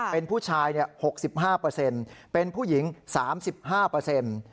เป็นผู้ชาย๖๕เปอร์เซ็นต์เป็นผู้หญิง๓๕เปอร์เซ็นต์